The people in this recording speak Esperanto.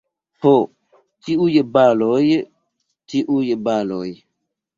Ho, tiuj baloj, tiuj baloj!